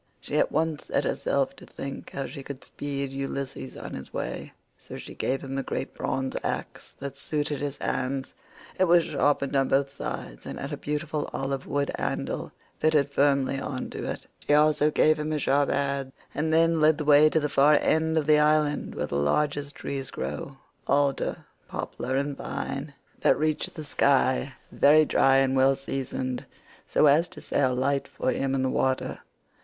She at once set herself to think how she could speed Ulysses on his way. So she gave him a great bronze axe that suited his hands; it was sharpened on both sides, and had a beautiful olive wood handle fitted firmly on to it. She also gave him a sharp adze, and then led the way to the far end of the island where the largest trees grew—alder, poplar and pine, that reached the sky—very dry and well seasoned, so as to sail light for him in the water.